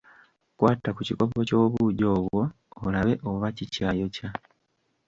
Kwata ku kikopo ky'obuugi obwo olabe oba kikyayokya.